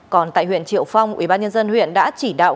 còn tại huyện triệu phong ubnd huyện đã chỉ đạo